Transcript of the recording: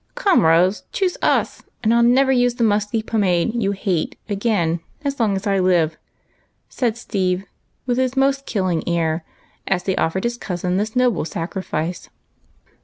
Come, Rose, choose us, and I '11 never use the musky pomade you hate again as long as I live," said Steve, with his most killing air, as he offered this noble sacrifice.